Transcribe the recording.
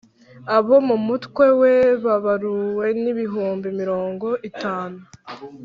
Abo mu mutwe we babaruwe ni ibihumbi mirongo itanu